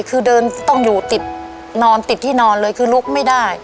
คือเดินต้องอยู่ติดนอนติดที่นอนเลยคือลุกไม่ได้